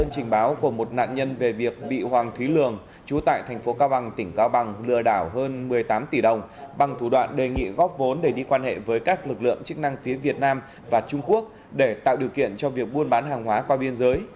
đơn trình báo của một nạn nhân về việc bị hoàng thúy lường chú tại thành phố cao bằng tỉnh cao bằng lừa đảo hơn một mươi tám tỷ đồng bằng thủ đoạn đề nghị góp vốn để đi quan hệ với các lực lượng chức năng phía việt nam và trung quốc để tạo điều kiện cho việc buôn bán hàng hóa qua biên giới